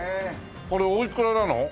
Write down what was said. これおいくらなの？